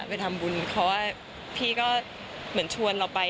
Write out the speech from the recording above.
ไปทำบุญเขาว่าพี่ก็เหมือนชวนเราไป